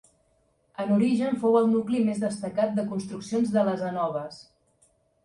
En origen fou el nucli més destacat de construccions de les Anoves.